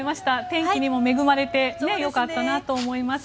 天気にも恵まれてよかったなと思います。